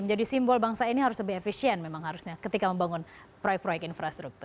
menjadi simbol bangsa ini harus lebih efisien memang harusnya ketika membangun proyek proyek infrastruktur